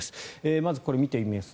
まず、これを見てみます。